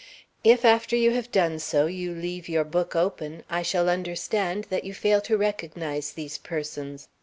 If after you have done so, you leave your book open, I shall understand that you fail to recognize these persons.